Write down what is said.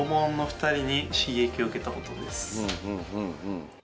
うんうんうんうん。